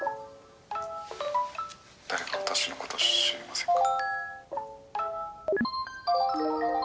「誰か私の事知りませんか？」